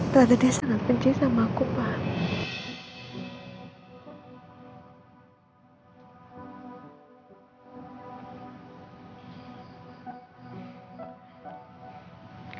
tata dia sangat benci sama aku pak